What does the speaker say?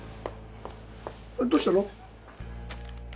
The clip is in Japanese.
どうしたの？